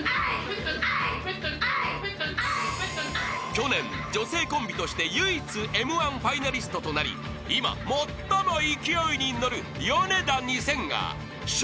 ［去年女性コンビとして唯一Ｍ−１ファイナリストとなり今最も勢いに乗るヨネダ２０００が笑